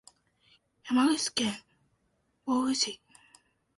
山口県防府市